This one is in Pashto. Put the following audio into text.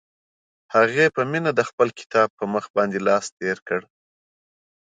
هغې په مینه د خپل کتاب په مخ باندې لاس تېر کړ.